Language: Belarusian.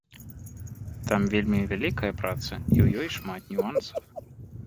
Там вельмі вялікая праца, і ў ёй шмат нюансаў.